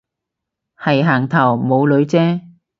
係行頭冇女啫